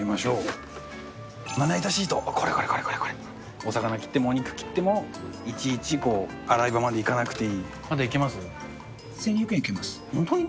お魚切ってもお肉切ってもいちいち洗い場まで行かなくていい。